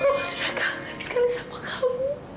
mama sudah kangen sekali sama kamu